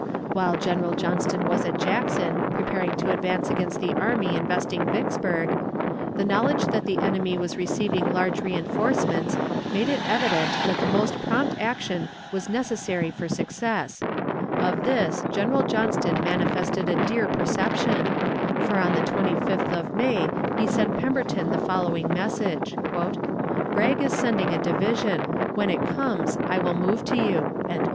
While General Johnston was at Jackson, preparing to advance against the army investing Vicksburg, the knowledge that the enemy was receiving large reënforcements made it evident that the most prompt action was necessary for success; of this General Johnston manifested a dear perception, for on the 25th of May he sent Pemberton the following message: "Bragg is sending a division; when it comes, I will move to you."